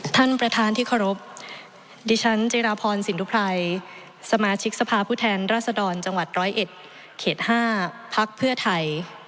ท่านประธานที่เคารพดิฉันจิราพรสินทุไพรสมาชิกสภาพผู้แทนราชดรจังหวัด๑๐๑เขต๕พักเพื่อไทย